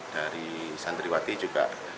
dari santriwati juga